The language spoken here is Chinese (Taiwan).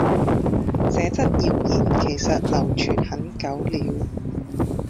這則謠言其實流傳很久了